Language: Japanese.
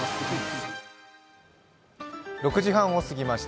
６時半を過ぎました。